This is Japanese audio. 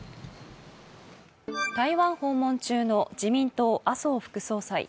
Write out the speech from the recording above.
台湾訪問中の自民党・麻生副総裁。